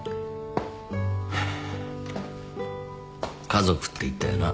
家族って言ったよな？